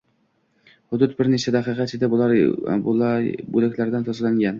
Hudud bir necha daqiqa ichida bo‘laklardan tozalangan